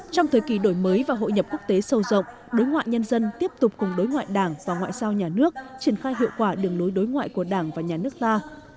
trong thời kỳ đổi mới và hội nhập quốc tế sâu rộng đối ngoại nhân dân tiếp tục cùng đối ngoại đảng và ngoại giao nhà nước triển khai hiệu quả đường lối đối ngoại của đảng và nhà nước ta